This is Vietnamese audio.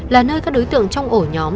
là nơi các đối tượng trong ổ nhóm